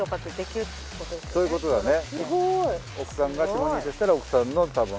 そういうことだね